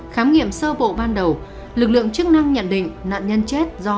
khám nghiệm sơ bộ ban đầu lực lượng chức năng nhận định nạn nhân chết do